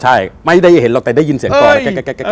ใช่ไม่ได้เห็นเราแต่ได้ยินเสียงกรม